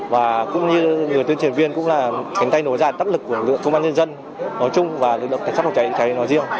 và cũng như người tuyên truyền viên cũng là cánh tay nối dài tắc lực của lực lượng công an nhân dân nói chung và lực lượng cảnh sát phòng cháy cháy nói riêng